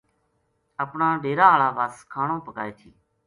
اپنا ڈیرا ہالاں وَس کھانو پکائے تھی